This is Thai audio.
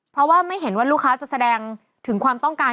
เพราะว่าไม่เห็นว่าลูกค้าจะแสดงถึงความต้องการ